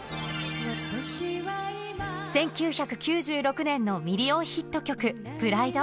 １９９６年のミリオンヒット曲、ＰＲＩＤＥ。